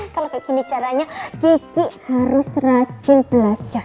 kalau begini caranya kiki harus racin belajar